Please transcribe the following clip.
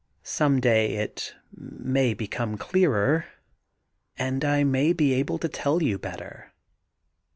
Some day it may become clearer, and I may be able to tell you better.'